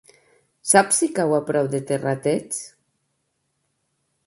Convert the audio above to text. Saps si cau a prop de Terrateig?